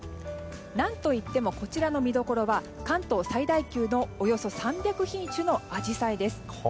何といってもこちらの見どころは関東最大級のおよそ３００品種のアジサイです。